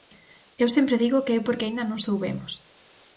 Eu sempre digo que é porque aínda non soubemos.